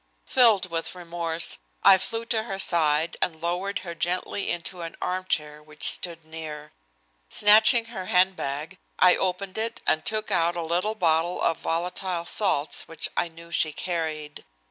Filled with remorse, I flew to her side and lowered her gently into an arm chair which stood near. Snatching her handbag I opened it and took out a little bottle of volatile salts which I knew she carried.